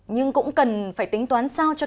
nhưng cũng cần phải tính toán sao cho